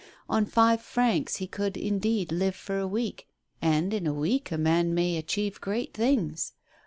On five francs he could, indeed, live for a week, and in a week a man may achieve great things.